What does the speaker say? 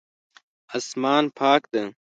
اسمان پاک ده